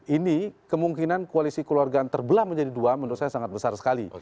ini kemungkinan koalisi keluargaan terbelah menjadi dua menurut saya sangat besar sekali